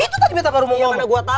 itu tadi beta baru mau ngomong